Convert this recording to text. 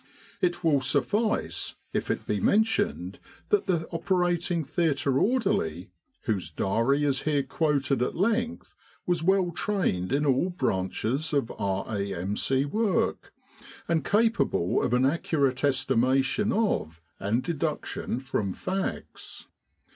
It will suffice if it be mentioned that the operating theatre orderly, whose diary is here quoted at length, was well trained in all branches of R.A.M.C. work, and capable of an accurate estimation of and deduction from facts.